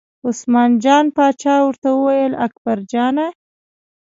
عثمان جان پاچا ورته وویل اکبرجانه!